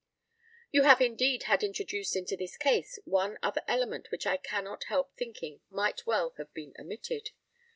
You have indeed had introduced into this case one other element which I cannot help thinking might well have been omitted.